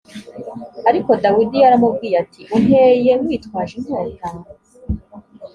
ariko dawidi yaramubwiye ati unteye witwaje inkota